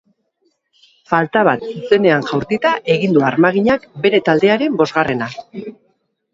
Falta bat zuzenean jaurtita egin du armaginak bere taldearen bosgarrena.